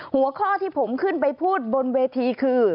หัวข้อที่ผมขึ้นไปพูดบนเวทีคือ